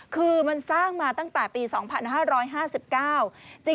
คือมันสร้างมาตั้งแต่ปี๒๕๕๙